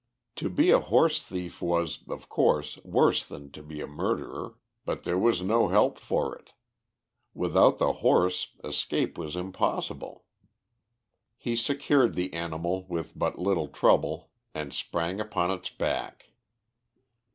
To be a horse thief was, of course, worse than to be a murderer, but there was no help for it; without the horse escape was impossible. He secured the animal with but little trouble and sprang upon its back.